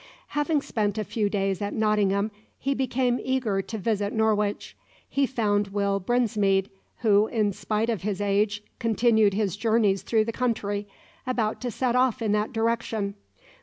Having spent a few days at Nottingham he became eager to visit Norwich. He found Will Brinsmead, who, in spite of his age, continued his journeys through the country, about to set off in that direction.